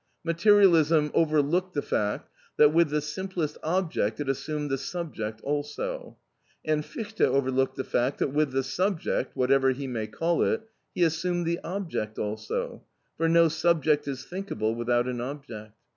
Materialism overlooked the fact that, with the simplest object, it assumed the subject also; and Fichte overlooked the fact that with the subject (whatever he may call it) he assumed the object also, for no subject is thinkable without an object.